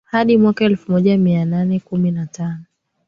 hadi mwaka elfu moja mia nane kumi na tano